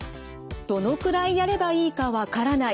どのくらいやればいいか分からない。